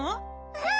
うん！